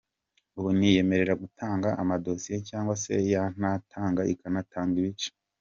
Ubu ntiyemera gutanga amadosiye cyangwa se yanayatanga ikayatanga ibice!